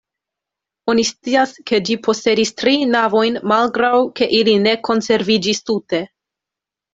Oni scias, ke ĝi posedis tri navojn malgraŭ ke ili ne konserviĝis tute.